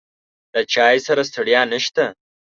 له چای سره ستړیا نشته.